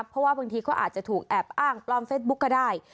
เพราะว่าบางทีก็อาจจะถูกแอบอ้างปลอมเฟซบุ๊คก็ได้